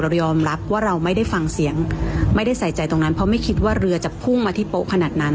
ยอมรับว่าเราไม่ได้ฟังเสียงไม่ได้ใส่ใจตรงนั้นเพราะไม่คิดว่าเรือจะพุ่งมาที่โป๊ะขนาดนั้น